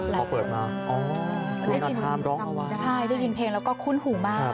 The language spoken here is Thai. พอเปิดมาอ๋อคุณนทามร้องอว่าใช่ได้ยินเพลงแล้วก็คุ้นหูมาก